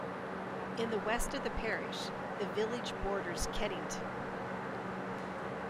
In the west of the parish, the village borders Keddington.